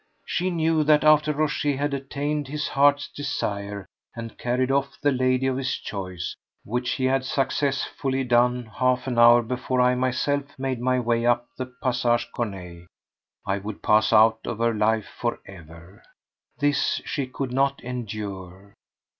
She knew that after Rochez had attained his heart's desire and carried off the lady of his choice—which he had successfully done half an hour before I myself made my way up the Passage Corneille—I would pass out of her life for ever. This she could not endure.